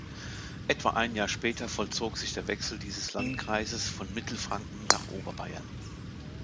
Etwa ein Jahr später vollzog sich der Wechsel dieses Landkreises von Mittelfranken nach Oberbayern.